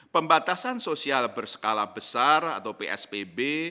pembatasan sosial berskala besar atau psbb